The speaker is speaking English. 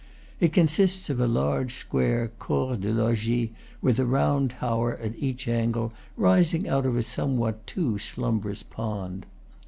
It consists of a large square corps de logis, with a round tower at each angle, rising out of a somewhat too slumberous pond.